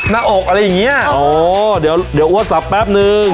ด้านโอกอะไรอย่างเงี้ยโอ้เดี๋ยวเดี๋ยวอัวสรรคแปปนึง